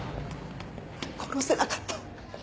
殺せなかった。